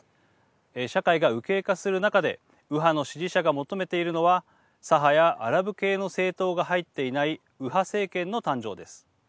社会が右傾化する中で右派の支持者が求めているのは左派やアラブ系の政党が入っていない右派政権の誕生です。